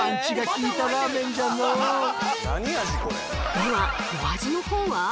ではお味のほうは？